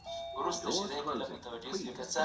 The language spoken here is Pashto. ولې ځینې ودونه له طلاق سره مخامخ کیږي؟